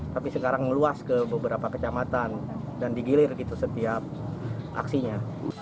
tapi sekarang meluas ke beberapa kecamatan dan digilir gitu setiap aksinya